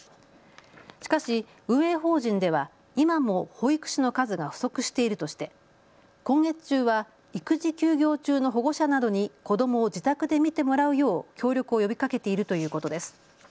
しかし運営法人では今も保育士の数が不足しているとして今月中は育児休業中の保護者などに子どもを自宅で見てもらうよう協力を呼びかけているということです。